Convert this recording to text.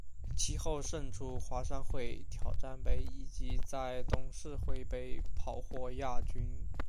其后胜出华商会挑战杯以及在董事杯跑获亚军。